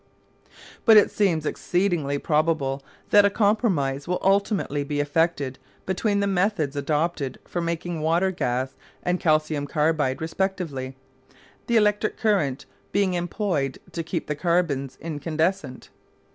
But it seems exceedingly probable that a compromise will ultimately be effected between the methods adopted for making water gas and calcium carbide respectively, the electric current being employed to keep the carbons incandescent.